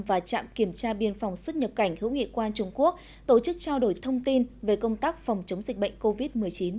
và trạm kiểm tra biên phòng xuất nhập cảnh hữu nghị qua trung quốc tổ chức trao đổi thông tin về công tác phòng chống dịch bệnh covid một mươi chín